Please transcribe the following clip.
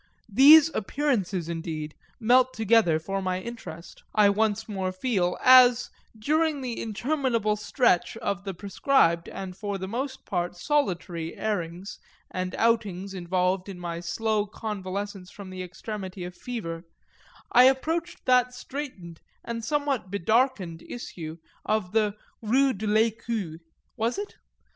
These appearances indeed melt together for my interest, I once more feel, as, during the interminable stretch of the prescribed and for the most part solitary airings and outings involved in my slow convalescence from the extremity of fever, I approached that straitened and somewhat bedarkened issue of the Rue de l'Écu (was it?)